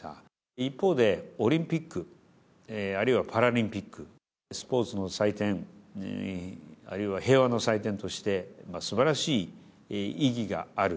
一方で、オリンピック、あるいはパラリンピック、スポーツの祭典、あるいは平和の祭典として、すばらしい意義がある。